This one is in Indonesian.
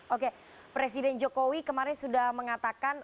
oke presiden jokowi kemarin sudah mengatakan